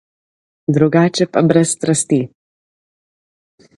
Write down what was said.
Drugače pa brez strasti.